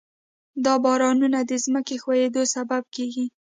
دا بارانونه د ځمکې ښویېدو سبب کېږي.